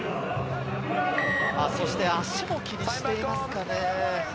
足も気にしていますかね？